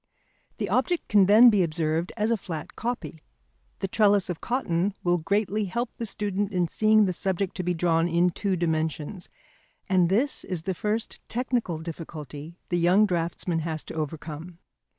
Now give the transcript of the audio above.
The object can then be observed as a flat copy. The trellis of cotton will greatly help the student in seeing the subject to be drawn in two dimensions, and this is the first technical difficulty the young draughtsman has to overcome.